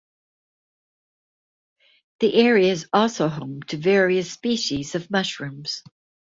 The area is also home to various species of mushrooms.